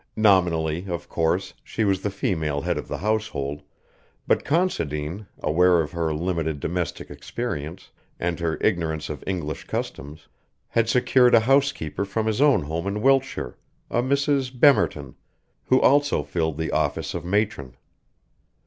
Nominally, of course, she was the female head of the household, but Considine, aware of her limited domestic experience, and her ignorance of English customs, had secured a housekeeper from his own home in Wiltshire, a Mrs. Bemerton, who also filled the office of matron.